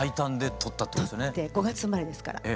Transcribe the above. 取って５月生まれですから。